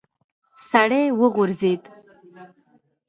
سړی وغورځېد.